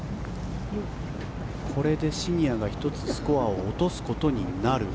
これでシニアが１つスコアを落とすことになる。